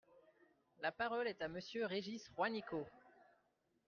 La parole est à Monsieur Régis Juanico.